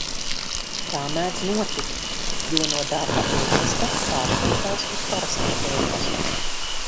Tā mēdz notikt, jo no darba epasta pārsūtās uz parasto epastu.